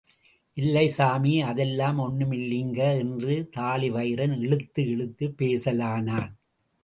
இல்லை சாமி, அதெல்லாம் ஒண்ணுமில்லீங்க என்று தாழிவயிறன் இழுத்து இழுத்துப் பேசலானான்.